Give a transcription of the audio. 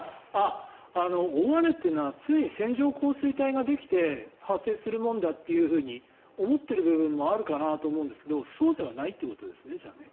大雨っていうのは常に線状降水帯ができて発生するもんだというふうに思っている部分もあるかなと思うんですがそうではないということですねじゃあ。